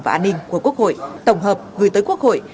và an ninh của quốc hội tổng hợp gửi tới quốc hội